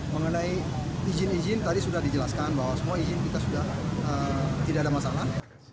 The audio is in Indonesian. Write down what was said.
mengenai izin izin tadi sudah dijelaskan bahwa semua izin kita sudah tidak ada masalah